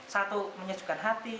satu menyajukan hati